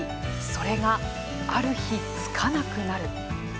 それが、ある日つかなくなる。